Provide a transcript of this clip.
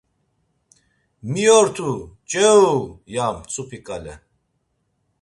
“Mi ortu! Ç̌euu!” ya mtzupi ǩale.